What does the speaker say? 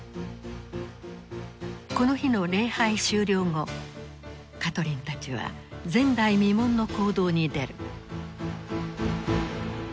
この日の礼拝終了後カトリンたちは前代未聞の行動に出る。